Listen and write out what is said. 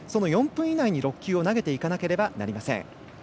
その４分以内に投げていかなければなりません。